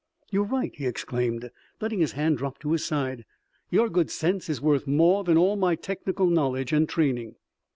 "You're right," he exclaimed, letting his hand drop to his side. "Your good sense is worth more than all my technical knowledge and training."